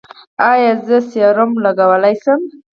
ایا زه سیروم لګولی شم؟